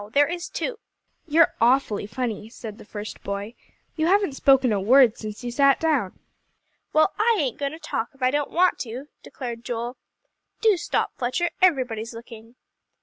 There is too." "You're awfully funny," said the first boy, "you haven't spoken a word since you sat down." "Well, I ain't going to talk, if I don't want to," declared Joel. "Do stop, Fletcher; everybody's looking."